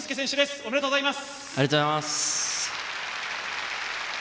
ありがとうございます。